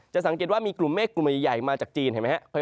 สังเกตว่ามีกลุ่มเมฆกลุ่มใหญ่มาจากจีนเห็นไหมครับ